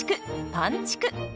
「パンちく」。